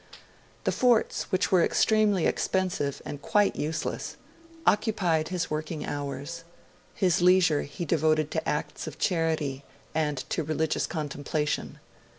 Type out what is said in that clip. The forts, which were extremely expensive and quite useless, occupied his working hours; his leisure he devoted to acts of charity and to religious contemplation.